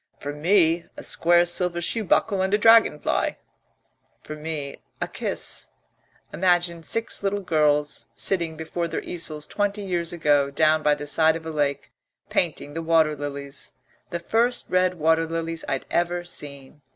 "For me, a square silver shoe buckle and a dragonfly " "For me, a kiss. Imagine six little girls sitting before their easels twenty years ago, down by the side of a lake, painting the water lilies, the first red water lilies I'd ever seen.